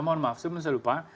mohon maaf sebelum saya lupa